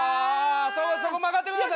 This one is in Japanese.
そこそこ曲がってください！